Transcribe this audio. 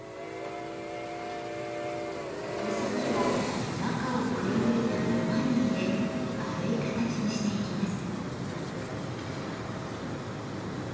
穂先を中をくりぬいたコマに入れ丸い形にしていきます。